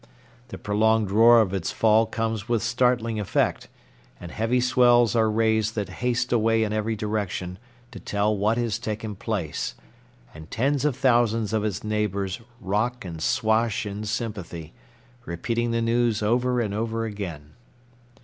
The prolonged roar of its fall comes with startling effect, and heavy swells are raised that haste away in every direction to tell what has taken place, and tens of thousands of its neighbors rock and swash in sympathy, repeating the news over and over again.